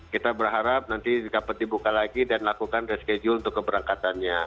kita berharap nanti dapat dibuka lagi dan lakukan reschedule untuk keberangkatannya